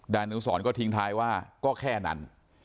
อนุสรก็ทิ้งท้ายว่าก็แค่นั้น